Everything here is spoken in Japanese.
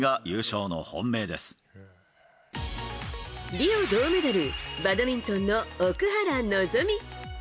リオ銅メダルバドミントンの奥原希望。